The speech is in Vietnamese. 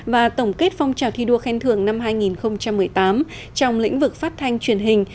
và tổng kết phong trào thi đua khen thưởng năm hai nghìn một mươi tám trong lĩnh vực phát thanh truyền hình